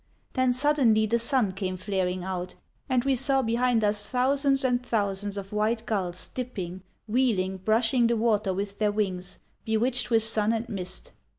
Then suddenly the sun came flaring out, and we saw behind us thousands and thousands of white gulls dipping, wheeling, brushing the water with their wings, bewitched with sun and mist.